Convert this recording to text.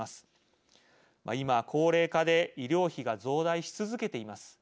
今高齢化で医療費が増大し続けています。